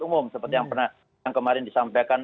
umum seperti yang pernah yang kemarin disampaikan